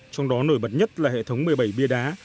trong đó nổi bật nhất là hệ thống một mươi bảy bia đá